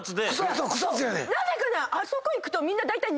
なぜかねあそこ行くとみんなだいたい。